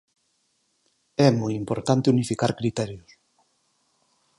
É moi importante unificar criterios.